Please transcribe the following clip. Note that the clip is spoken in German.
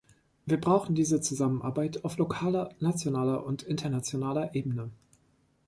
Wir brauchen diese Zusammenarbeit auf lokaler, nationaler und internationaler Ebene.